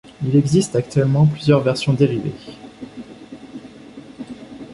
Il existe actuellement plusieurs versions dérivées.